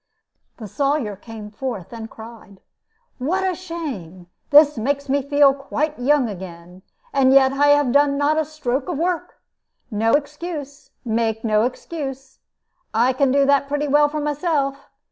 The Sawyer came forth, and cried, "What a shame! This makes me feel quite young again. And yet I have done not a stroke of work. No excuse; make no excuse. I can do that pretty well for myself.